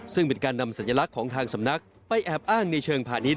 ซึ่งเป็นการนำสัญลักษณ์ของทางสำนักไปแอบอ้างในเชิงพาณิชย